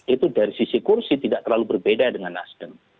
itu dari sisi kursi tidak terlalu berbeda dengan nasdem